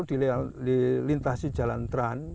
di lintasi jalan tran